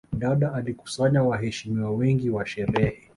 Dada alikusanya waheshimiwa wengi wa sherehe